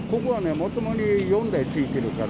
もともと４台ついてるから。